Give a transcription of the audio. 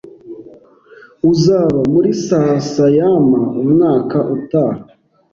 Uzaba muri Sasayama umwaka utaha?